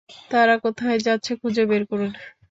তারা কোথায় যাচ্ছে খুঁজে বের করুন।